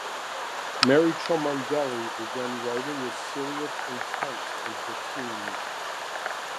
Mary Cholmondeley began writing with serious intent in her teens.